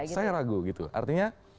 saya ragu artinya